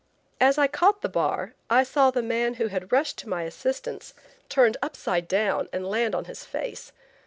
As I caught the bar, I saw the man who had rushed to my assistance turned upside down and land on his face.